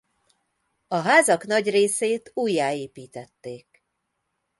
A házak nagy részét újjáépítették.